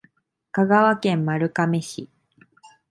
香川県丸亀市